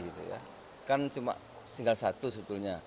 kan cuma tinggal satu sebetulnya